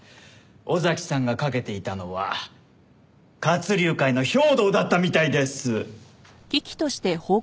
尾崎さんがかけていたのは蠍龍会の兵頭だったみたいです。